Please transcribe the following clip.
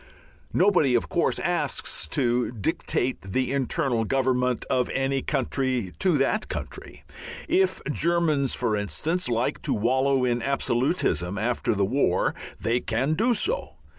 Nobody, of course, asks to "dictate the internal government" of any country to that country. If Germans, for instance, like to wallow in absolutism after the war they can do so.